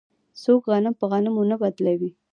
څوک غنم په غنمو نه بدلوي.